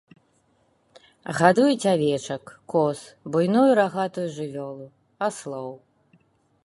Гадуюць авечак, коз, буйную рагатую жывёлу, аслоў.